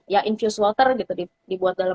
ya infuse water gitu dibuat dalam